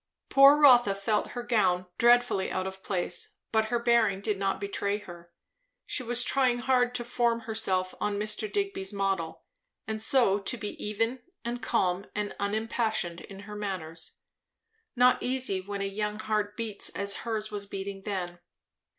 Poor Rotha felt her gown dreadfully out of place; but her bearing did not betray her. She was trying hard to form herself on Mr. Digby's model, and so to be even and calm and unimpassioned in her manners. Not easy, when a young heart beats as hers was beating then.